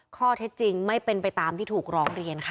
ข้อเท็จจริงไม่เป็นไปตามที่ถูกร้องเรียนค่ะ